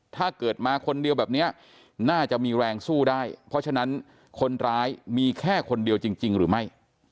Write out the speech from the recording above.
ถ้าเกิดมาคนเดียวแบบนี้น่าจะมีแรงสู้ได้เพราะฉะนั้นคนร้ายมีแค่คนเดียวจริงหรือไม่